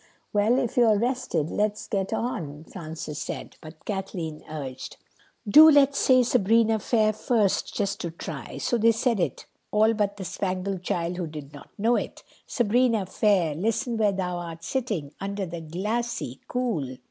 "Well, if you're rested, let's get on," Francis said; but Kathleen urged: "Do let's say 'Sabrina fair,' first—just to try!" So they said it—all but the Spangled Child who did not know it— "'_Sabrina fair Listen where thou art sitting Under the glassie, cool....